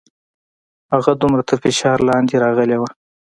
هغه دومره تر فشار لاندې راغلې وه.